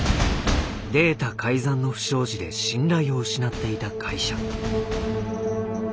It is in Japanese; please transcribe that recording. データ改ざんの不祥事で信頼を失っていた会社。